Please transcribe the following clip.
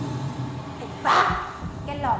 จัดเต็มให้เลย